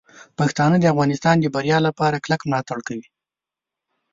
پښتانه د افغانستان د بریا لپاره کلک ملاتړ کوي.